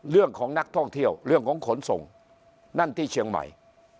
เรื่องของนักท่องเที่ยวเรื่องของขนส่งนั่นที่เชียงใหม่